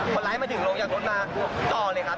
คนร้ายมาถึงลงจากรถมาจ่อเลยครับ